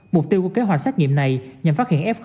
mục tiêu của kế hoạch xét nghiệm này nhằm phát hiện f một